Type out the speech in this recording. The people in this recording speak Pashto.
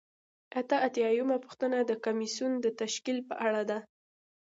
اته اتیا یمه پوښتنه د کمیسیون د تشکیل په اړه ده.